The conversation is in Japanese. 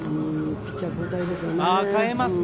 ピッチャー交代ですよね。